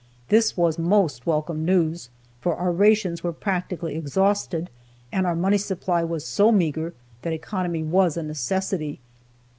This was most welcome news, for our rations were practically exhausted, and our money supply was so meager that economy was a necessity.